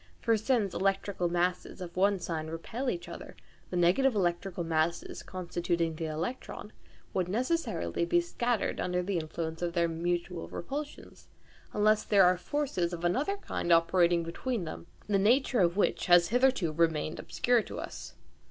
For since electrical masses of one sign repel each other, the negative electrical masses constituting the electron would necessarily be scattered under the influence of their mutual repulsions, unless there are forces of another kind operating between them, the nature of which has hitherto remained obscure to us.